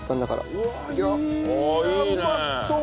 うまそう！